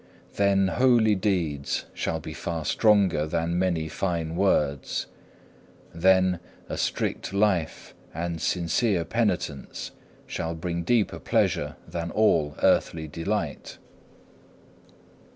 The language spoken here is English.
Then holy deeds shall be far stronger than many fine words. Then a strict life and sincere penitence shall bring deeper pleasure than all earthly delight.